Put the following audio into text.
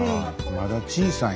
まだ小さい。